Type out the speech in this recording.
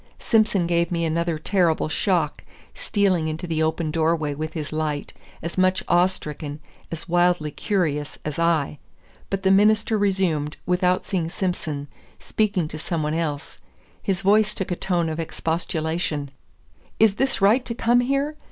Simson gave me another terrible shock, stealing into the open door way with his light, as much awe stricken, as wildly curious, as I. But the minister resumed, without seeing Simson, speaking to some one else. His voice took a tone of expostulation: "Is this right to come here?